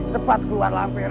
cepat keluar lampir